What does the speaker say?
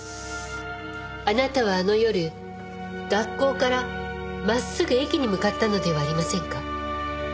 あなたはあの夜学校から真っすぐ駅に向かったのではありませんか？